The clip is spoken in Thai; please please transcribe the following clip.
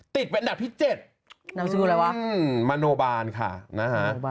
ติดเป็นอันดับที่๗มโนบารค่ะนะฮะ